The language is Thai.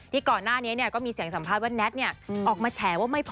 ที่ก่อนหน้านี้ก็มีเสียงสัมภาษณ์ว่า